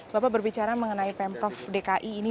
bapak berbicara mengenai pemprov dki ini